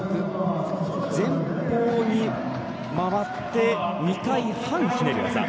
前方に回って２回半ひねる技。